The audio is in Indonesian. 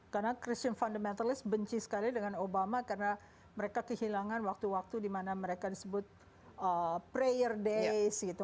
karena christian fundamentalist benci sekali dengan obama karena mereka kehilangan waktu waktu dimana mereka disebut prayer days gitu